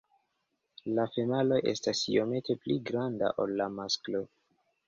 La femalo estas iomete pli granda ol la masklo.